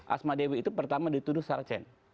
asma dewi itu pertama dituduh sarcen